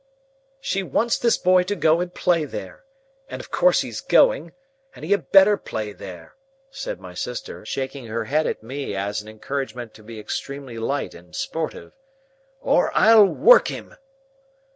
"She wants this boy to go and play there. And of course he's going. And he had better play there," said my sister, shaking her head at me as an encouragement to be extremely light and sportive, "or I'll work him."